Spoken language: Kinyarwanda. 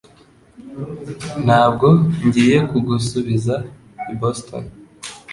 Ntabwo ngiye kugusubiza i Boston